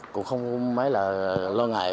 cũng không mãi là lo ngại